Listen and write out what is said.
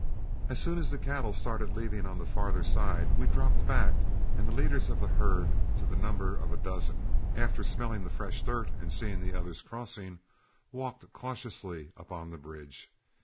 As soon as the cattle started leaving on the farther side, we dropped back, and the leaders of the herd to the number of a dozen, after smelling the fresh dirt and seeing the others crossing, walked cautiously up on the bridge.